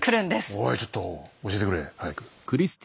おいちょっと教えてくれ早く。